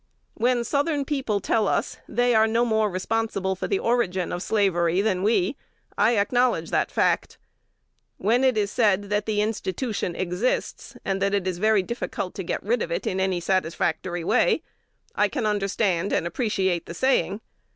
"When Southern people tell us they are no more responsible for the origin of slavery than we, I acknowledge the fact. When it is said that the institution exists, and that it is very difficult to get rid of it in any satisfactory way, I can understand and appreciate the saying.